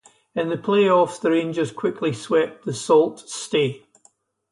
In the playoffs, the Rangers quickly swept the Sault Ste.